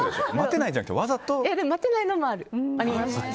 でも、待てないもあります。